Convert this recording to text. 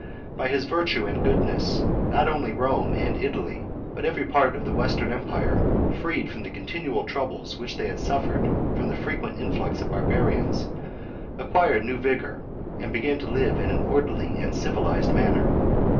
By his virtue and goodness, not only Rome and Italy, but every part of the western empire, freed from the continual troubles which they had suffered from the frequent influx of barbarians, acquired new vigor, and began to live in an orderly and civilized manner.